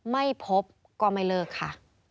ไม่พบก็ไม่เลิกค่ะ